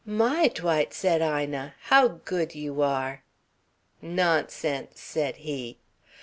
"My, Dwight," said Ina, "how good you are!" "Nonsense!" said he.